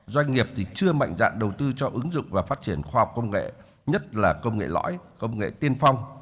doanh nghiệp thì chưa mạnh dạng đầu tư cho ứng dụng và phát triển khoa học công nghệ nhất là công nghệ lõi công nghệ tiên phong